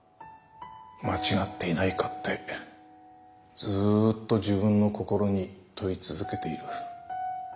間違っていないかってずっと自分の心に問い続けている。